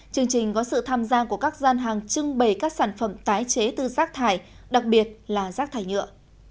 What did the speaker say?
chương trình có sự tham gia của các gian hàng trưng bày các sản phẩm tái chế từ rác thải đặc biệt là rác thải nhựa